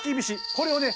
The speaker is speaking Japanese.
これをね